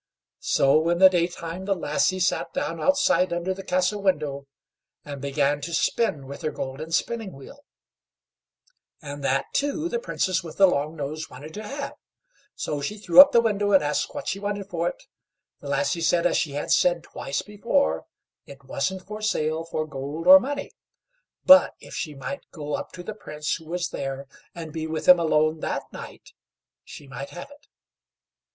So, in the daytime, the lassie sat down outside under the castle window, and began to spin with her golden spinning wheel, and that, too, the Princess with the long nose wanted to have. So she threw up the window and asked what she wanted for it. The lassie said, as she had said twice before, it wasn't for sale for gold or money; but if she might go up to the Prince who was there, and be with him alone that night, she might have it.